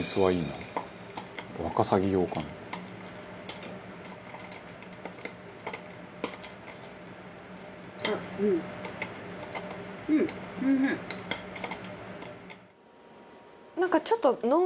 なんかちょっと。